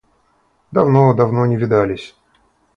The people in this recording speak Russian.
Давно, давно не видались».